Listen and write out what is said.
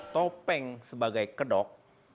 topeng sebagai kedok